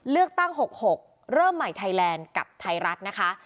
เลือกตั้ง๖๖เริ่มใหม่ไทยแลนด์กับไทยรัฐนะคะ